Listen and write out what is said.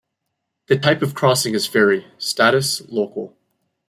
The type of crossing is ferry, status - local.